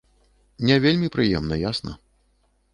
Не вельмі прыемна, ясна.